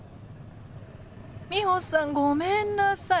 ミホさんごめんなさい。